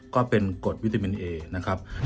ก็เป็นกฎวิตามินเอนะครับ